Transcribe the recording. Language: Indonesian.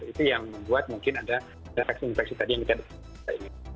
itu yang membuat mungkin ada infeksi infeksi tadi yang kita ingin